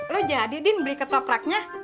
lo jadi din beli ketopraknya